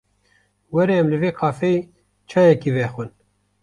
Were em li vê kafeyê çayekê vexwin.